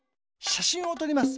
しゃしんをとります。